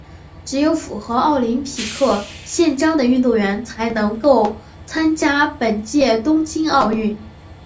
只有符合奥林匹克宪章的运动员才能够参加本届东京奥运。